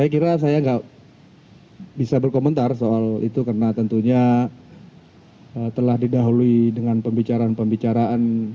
saya kira saya nggak bisa berkomentar soal itu karena tentunya telah didahului dengan pembicaraan pembicaraan